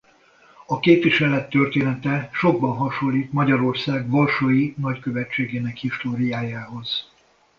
A képviselet története sokban hasonlít Magyarország varsói nagykövetségének históriájához.